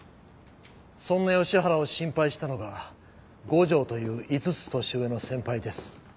そんな吉原を心配したのが五条という５つ年上の先輩です。